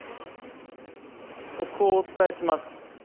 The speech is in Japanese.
速報をお伝えします。